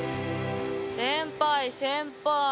先輩先輩。